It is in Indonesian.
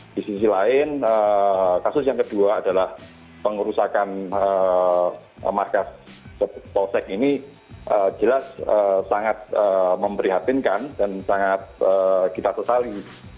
di sisi lain kasus yang kedua adalah pengerusakan markas polsek ini jelas sangat memprihatinkan dan sangat kita sesali